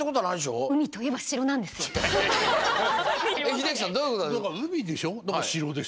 英樹さんどういうことなんです？